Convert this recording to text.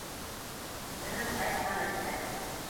Төнөн ҡайтманы бисәһе.